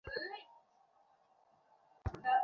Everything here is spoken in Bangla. আনমনা হয়ে পথ চলতে থাকেন।